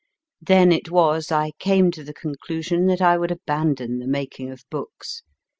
Then it was I came to the conclusion that I would abandon the making of books.